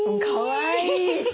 かわいい。